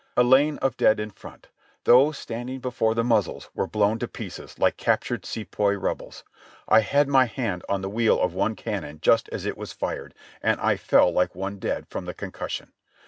A lane of dead in front. Those standing before the muzzles were blown to pieces like cap tured Sepoy rebels. I had my hand on the wheel of one cannon just as it was fired, and I fell Hke one dead, from the concussion.